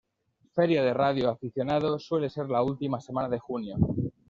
Feria de radio aficionado, suele ser la última semana de junio.